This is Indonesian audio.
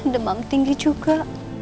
demam tinggi juga